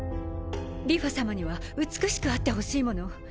梨花さまには美しくあってほしいもの。